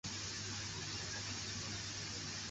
南方紫金牛为报春花科紫金牛属下的一个种。